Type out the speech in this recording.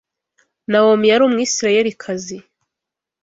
Nawomi yari Umwisirayelikazi.